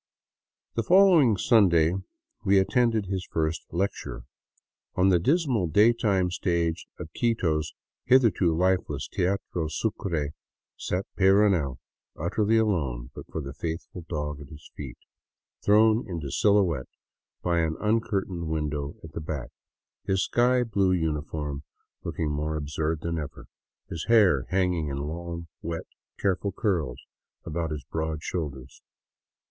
The following Sunday we at tended his first lecture." On the dismal daytime stage of Quito's hitherto lifeless Teatro Sucre sat Peyrounel, utterly alone but for the faithful dog at his feet, thrown into silhouette by an uncurtained win dow at the back, his sky blue uniform looking more absurd than ever, his hair hanging in long, wet, careful curls about his broad shoulders.